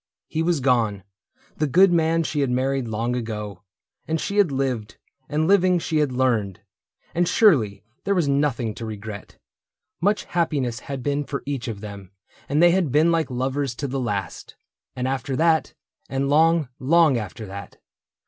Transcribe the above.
— He was gone, The good man she had married long ago ; And she had lived, and living she had learned, And surely there was nothing to regret : Much happiness had been for each of them, And they had been like lovers to the last : And after that, and long, long after that.